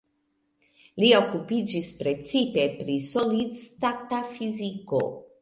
Li okupiĝis precipe pri solid-stata fiziko.